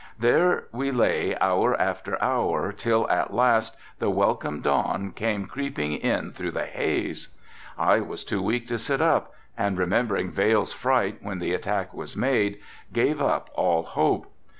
There we lay hour after hour till at last the welcome dawn came creeping in through the haze. I was too weak to sit up and remembering Vail's fright when the attack was made, gave up all hope.